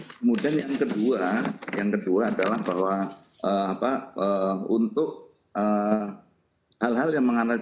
kemudian yang kedua adalah bahwa untuk hal hal yang mengandalkan